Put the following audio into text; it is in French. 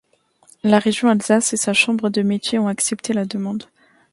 La région Alsace et sa Chambre de métiers ont accepté la demande.